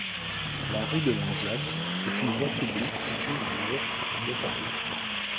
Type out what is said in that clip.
La rue de Langeac est une voie publique située dans le de Paris.